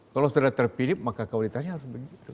kalau sudah terpilih maka kualitasnya harus begitu